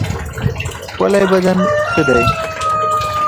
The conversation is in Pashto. ښکلی بدن ښه دی.